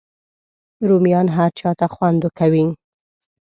رومیان هر چاته خوند کوي